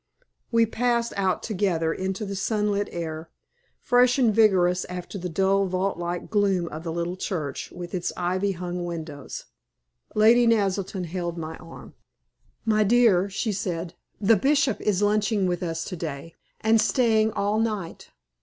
We passed out together into the sunlit air, fresh and vigorous after the dull vault like gloom of the little church, with its ivy hung windows. Lady Naselton held my arm. "My dear," she said, "the Bishop is lunching with us to day, and staying all night.